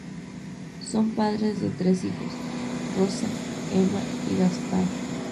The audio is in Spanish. Son padres de tres hijos: Rosa, Ema y Gaspar.